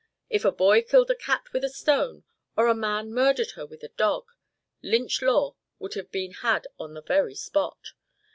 If a boy had killed a cat with a stone, or a man murdered her with a dog, Lynch law would have been had on the very spot.